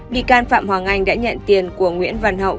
bị can phạm hoàng anh đã nhận tiền của nguyễn văn hậu